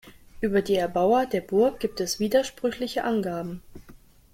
Um die Erbauer der Burg gibt es widersprüchliche Angaben.